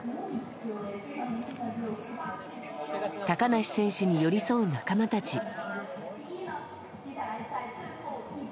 高梨選手に寄り添う仲間たち。